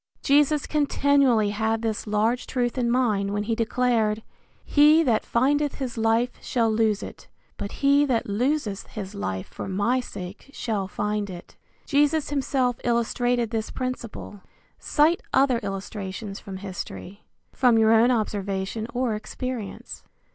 Jesus continually had this large truth in mind when he declared, "He that findeth his life shall lose it, but he that loseth his life for my sake shall find it." Jesus himself illustrated this principle. Cite other illustrations from history. From your own observation or experience.